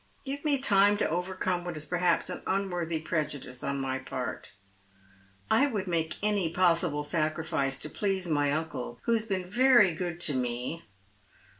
Give me time to overcome what is perhaps an luiworthy prejudice on my part. I would make any Craining 'time. ^5$ possible. BacriGoe to please my uncle, who has been very good to me.